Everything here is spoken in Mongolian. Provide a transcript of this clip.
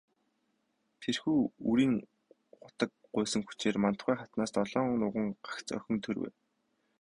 Тэрхүү үрийн хутаг гуйсан хүчээр Мандухай хатнаас долоон нуган, гагц охин төрвэй.